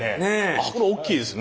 あっこれ大きいですね。